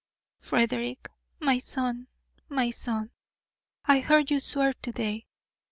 Frederick, my son, my son, I heard you swear to day!